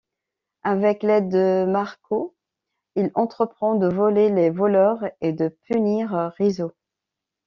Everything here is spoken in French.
Avec l'aide de Marco, il entreprend de voler les voleurs et de punir Rizzo.